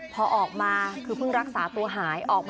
พอออกมาคือพึงรักษาตัวหายออกปุ๊บ